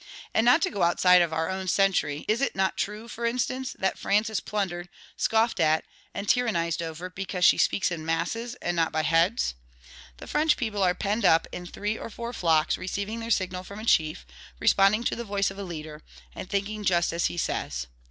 And not to go outside of our own century, is it not true, for instance, that France is plundered, scoffed at, and tyrannized over, because she speaks in masses, and not by heads? The French people are penned up in three or four flocks, receiving their signal from a chief, responding to the voice of a leader, and thinking just as he says.